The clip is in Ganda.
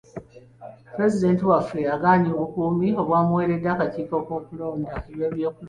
Pulezidenti waffe agaanye obukuumi obwamuweereddwa akakiiko k'ebyokulonda.